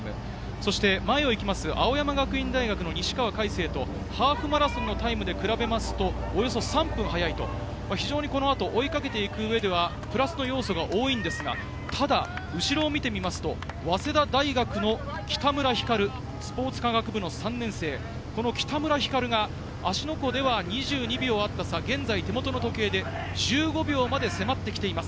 そして前を行きます、青山学院大学の西川魁星とハーフマラソンのタイムで比べますと、およそ３分速い、非常にこの後、追いかけていく上ではプラスの要素が多いんですが、ただ後ろを見てみますと、早稲田大学の北村光、スポーツ科学部の３年生、この北村光が芦ノ湖では２２秒あった差、現在手元の時計で１５秒まで迫ってきています。